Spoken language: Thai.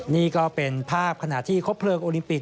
นี่ก็เป็นภาพขณะที่ครบเลิงโอลิมปิก